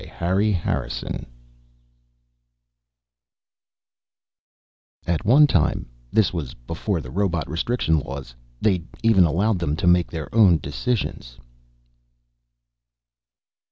Harry Harrison_ At one time this was before the Robot Restriction Laws they'd even allowed them to make their own decisions....